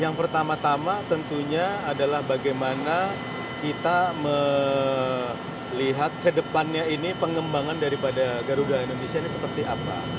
yang pertama tama tentunya adalah bagaimana kita melihat ke depannya ini pengembangan daripada garuda indonesia ini seperti apa